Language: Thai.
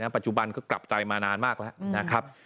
ปัจจุบันก็กลับใจมานานมากแล้วนะครับ